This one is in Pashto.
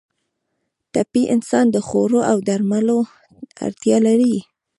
ټپي انسان د خوړو او درملو اړتیا لري.